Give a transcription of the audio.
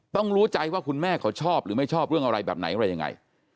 รู้ใจว่าคุณแม่เขาชอบหรือไม่ชอบเรื่องอะไรแบบไหนอะไรยังไง